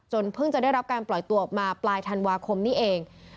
เพิ่งจะได้รับการปล่อยตัวออกมาปลายธันวาคมนี้เอง